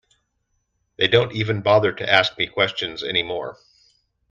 They don't even bother to ask me questions any more.